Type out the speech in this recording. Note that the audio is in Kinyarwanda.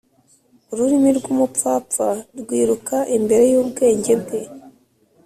ururimi rwumupfapfa rwiruka imbere yubwenge bwe.